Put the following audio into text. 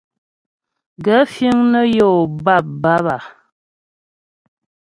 Gaə̂ fíŋ nə́ yó bâpbǎp a ?